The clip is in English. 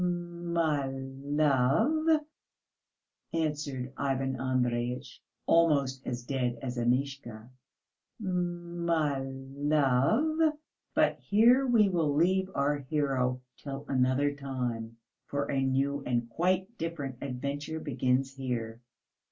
"My love," answered Ivan Andreyitch, almost as dead as Amishka, "my love...." But here we will leave our hero till another time, for a new and quite different adventure begins here.